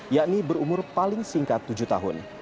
yakni berumur paling singkat tujuh tahun